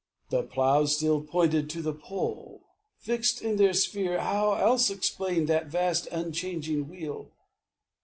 The Plough Still pointed to the Pole. Fixed in their sphere, How else explain that vast unchanging wheel?